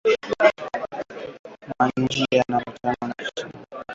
Ma njina ya ba mama bote itawekewa katikati